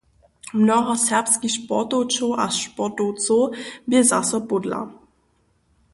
Mnoho serbskich sportowčow a sportowcow bě zaso pódla.